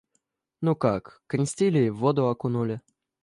Ну как, крестили и в воду окунули.